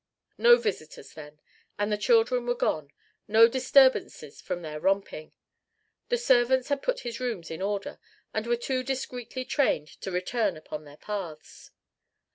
No visitors, then. And the children were gone no disturbances from their romping. The servants had put his rooms in order, and were too discreetly trained to return upon their paths.